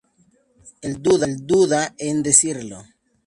él duda en decirlo